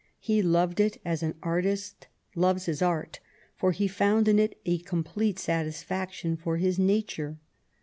He loved it as an artist loves his art, for he found in it a complete satisfaction for his nature.